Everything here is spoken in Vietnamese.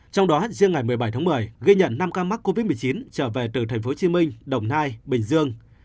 trong đó riêng ngày một mươi bảy một mươi ghi nhận năm ca mắc covid một mươi chín trở về từ tp hcm đồng nai bình dương